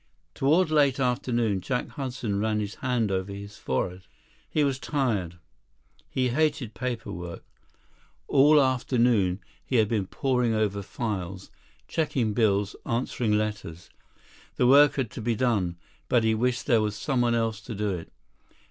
Toward late afternoon, Jack Hudson ran his hand over his forehead. He was tired. He hated paper work. All afternoon, he had been poring over files, checking bills, answering letters. The work had to be done, but he wished there was someone else to do it.